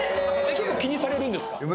結構気にされるんですか？